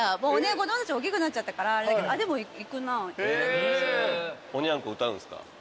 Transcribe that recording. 子供たちおっきくなっちゃったからあれだけどでも行くな。